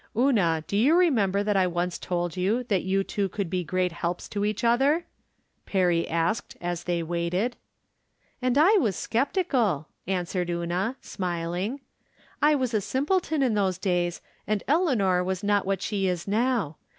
" Una, do you remember that I once told you that you two could be great helps to each other ?" Perry asked, as they Waited. " And I was skeptical," answered Una, smil ing. " I was a simpleton in those days, and El eanor was not what she is now.